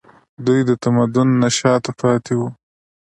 دوی د تمدن نه شاته پاتې وو